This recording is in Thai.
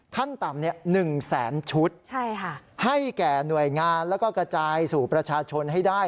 ขั้นต่ำ๑แสนชุดให้แก่หน่วยงานแล้วก็กระจายสู่ประชาชนให้ได้